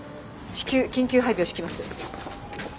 至急緊急配備を敷きます。